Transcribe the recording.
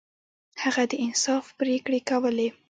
هغه د انصاف پریکړې کولې.